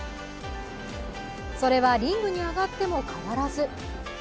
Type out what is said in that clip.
それはリングに上がっても変わらず。